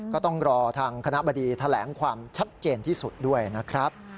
ก็ต้องรอทางคณะบดีแถลงความชัดเจนที่สุดด้วยนะครับ